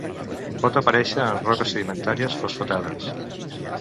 Pot aparèixer en roques sedimentàries fosfatades.